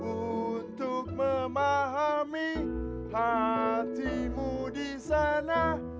untuk memahami hatimu di sana